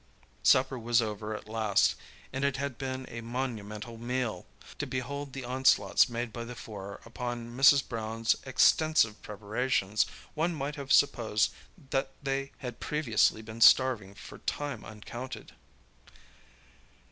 Supper was over at last, and it had been a monumental meal. To behold the onslaughts made by the four upon Mrs. Brown's extensive preparations one might have supposed that they had previously been starving for time uncounted.